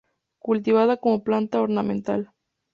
Cultivada como planta ornamental.